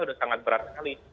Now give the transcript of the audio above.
sudah sangat berat sekali